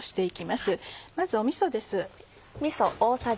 まずみそです。